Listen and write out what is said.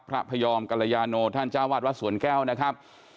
พระพยอมกัลยาโนท่านเจ้าอาทวัดวัดสวนแก้วนะครับ